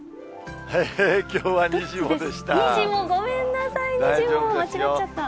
きょうはにじモでした。